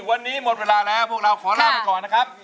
วันนี้หมดเวลาแล้วพวกเราขอลาไปก่อนนะครับ